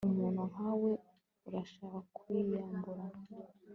umuntu nkawe urashaka kwiyambura